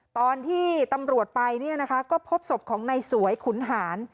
ตอนที่ตำรวจไปเนี่ยนะคะก็พบศพของนายสวยขุนหาร